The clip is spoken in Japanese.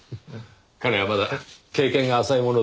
彼はまだ経験が浅いもので。